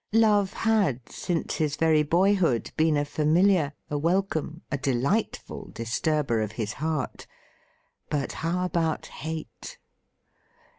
Love had since his very boyhood been a familiar, a welcome, a delightful disturber of his heart. But how about hate